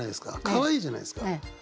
かわいいじゃないですか。